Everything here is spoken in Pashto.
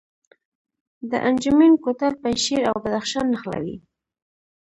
د انجمین کوتل پنجشیر او بدخشان نښلوي